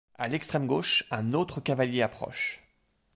À l'extrême gauche, un autre cavalier approche.